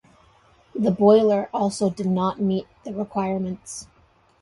The boiler also did not meet the requirements.